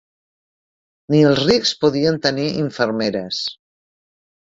Ni els rics podien tenir infermeres.